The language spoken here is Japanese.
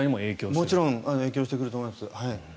もちろん影響してくると思います。